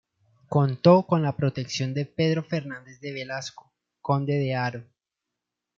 Contó con la protección de Pedro Fernández de Velasco, conde de Haro.